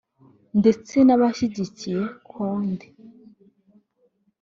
ndetse n’abashyigikiye Condé